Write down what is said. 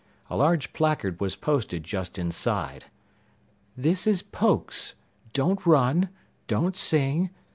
A large placard was posted just inside: THIS IS POKES! DON'T RUN! DON'T SING!